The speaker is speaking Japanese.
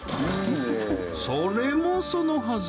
それもそのはず